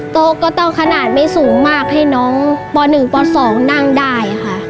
โต๊ะก็ต้องขนาดไม่สูงมากให้น้องป๑ป๒นั่งได้ค่ะ